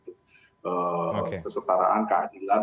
jadi ini adalah persoalan keadilan